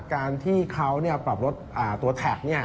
การที่เขาปรับลดตัวแท็ก